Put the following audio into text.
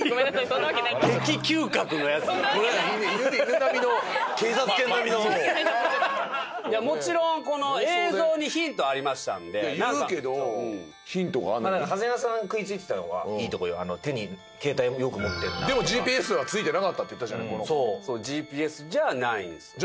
そんなわけない警察犬並みのもちろんこの映像にヒントありましたので言うけどヒントがあるのに長谷川さんが食いついてたのはいいとこよ手に携帯よく持ってるなとかでもＧＰＳはついてなかったって言ったじゃないこの子ＧＰＳじゃないんですね